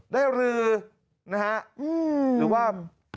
ได้รือหรือว่า